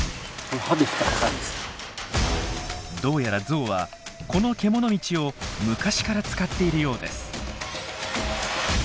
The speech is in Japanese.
どうやらゾウはこのけもの道を昔から使っているようです。